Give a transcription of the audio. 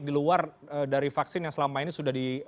di luar dari vaksin yang selama ini